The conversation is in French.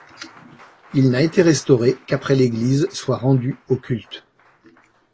Il n'a été restauré qu'après l'église soit rendue au culte.